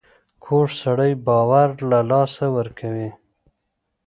کوږ سړی باور له لاسه ورکوي